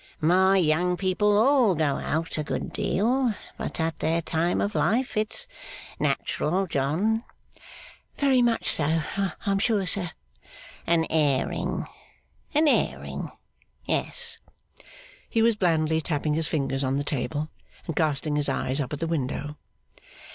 My young people all go out a good deal. But at their time of life, it's natural, John.' 'Very much so, I am sure, sir.' 'An airing. An airing. Yes.' He was blandly tapping his fingers on the table, and casting his eyes up at the window.